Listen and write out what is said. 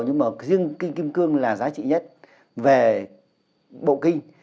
nhưng mà riêng kinh kim cương là giá trị nhất về bộ kinh